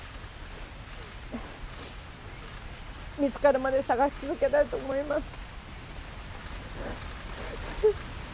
見つかるまで捜し続けたいと思います。